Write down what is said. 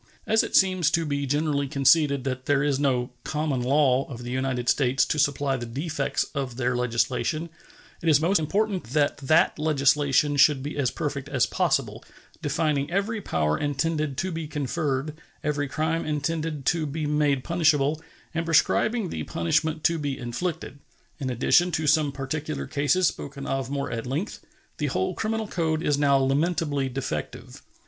As it seems to be generally conceded that there is no "common law" of the United States to supply the defects of their legislation, it is most important that that legislation should be as perfect as possible, defining every power intended to be conferred, every crime intended to be made punishable, and prescribing the punishment to be inflicted. In addition to some particular cases spoken of more at length, the whole criminal code is now lamentably defective.